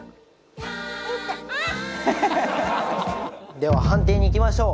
では判定にいきましょう。